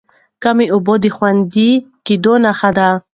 کمې اوبه د خوندي کېدو نښه ده.